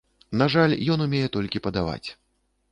На жаль, ён умее толькі падаваць.